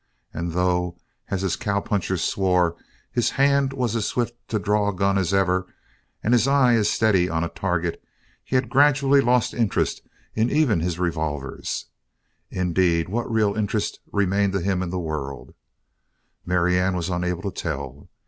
And though, as his cowpunchers swore, his hand was as swift to draw a gun as ever and his eye as steady on a target, he had gradually lost interest in even his revolvers. Indeed, what real interest remained to him in the world, Marianne was unable to tell.